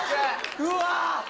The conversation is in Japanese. うわ‼